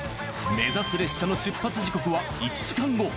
目指す列車の出発時刻は１時間後。